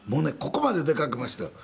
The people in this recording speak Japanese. ここまで出かけましたよ